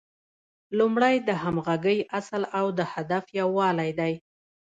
لومړی د همغږۍ اصل او د هدف یووالی دی.